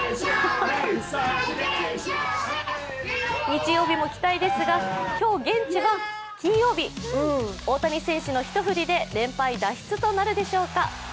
日曜日も期待ですが、今日、現地は金曜日、大谷選手の一振りで連敗脱出となるでしょうか。